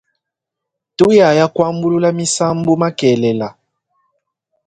Tuyaya kuambulula misambu makelela.